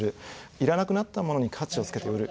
いらなくなったものに価値をつけて売る。